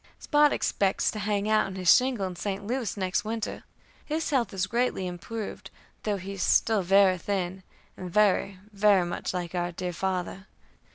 Spot expects to hang out his shingle in St. Louis next winter. His health is greatly improved, though he is still very thin, and very, very much like dear father.